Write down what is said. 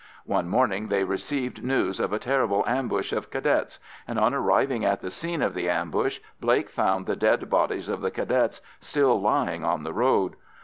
One morning they received news of a terrible ambush of Cadets, and on arriving at the scene of the ambush Blake found the dead bodies of the Cadets still lying on the road.